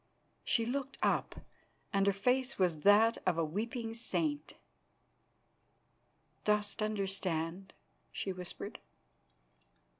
She looked up, and her face was that of a weeping saint. "Dost understand?" she whispered.